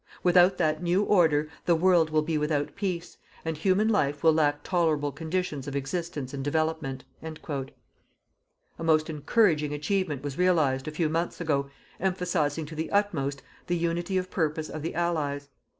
Without that new order the world will be without peace, and human life will lack tolerable conditions of existence and development_." A most encouraging achievement was realized, a few months ago, emphasizing to the utmost the unity of purpose of the Allies.